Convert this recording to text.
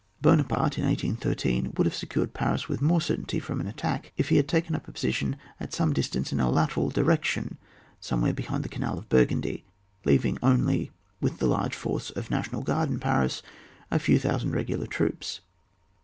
Buonaparte, in 1813, would have secured Paris with more certainty from an attack if he had taken up a position at Bome distance in a lateral direction, some where behind the canal of Burgundy Reav ing only with the large force of National Guard in Paris a few thousand regular troops.